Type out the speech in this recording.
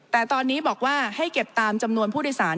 แต่ตอนนี้บอกว่าให้เก็บตามจำนวนผู้โดยสาร